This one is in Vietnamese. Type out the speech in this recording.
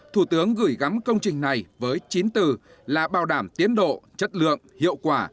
thủ tướng gửi gắm công trình này với chín từ là bảo đảm tiến độ chất lượng hiệu quả